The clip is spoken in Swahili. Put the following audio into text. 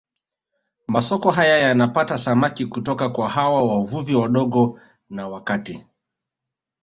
Masoko haya yanapata samaki kutoka kwa hawa wavuvi wadogo na wa kati